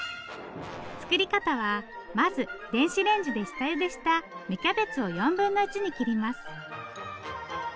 作り方はまず電子レンジで下ゆでした芽キャベツを４分の１に切ります。